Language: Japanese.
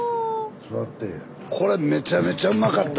スタジオこれめちゃめちゃうまかった！